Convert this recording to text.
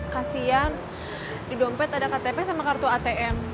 kasian di dompet ada ktp sama kartu atm